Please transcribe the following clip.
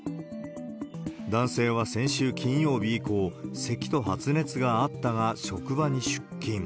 男性は先週金曜日以降、せきと発熱があったが、職場に出勤。